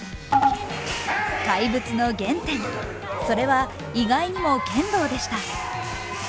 怪物の原点、それは意外にも剣道でした。